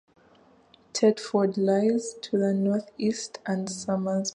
Tetford lies to the north-east and Somersby to the south.